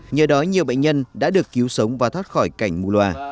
nhờ đó nhiều bệnh nhân đã được cứu sống và thoát khỏi cảnh mù loà